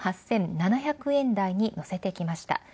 ２８７００円台に乗せてきました。